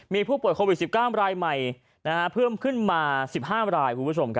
มีผู้ป่วยโควิด๑๙รายใหม่เพิ่มขึ้นมา๑๕ราย